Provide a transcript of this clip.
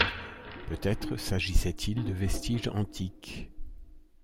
Peut-être s'agissait-il de vestiges antiques.